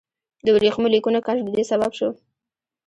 د ورېښمینو لیکونو کشف د دې سبب شو.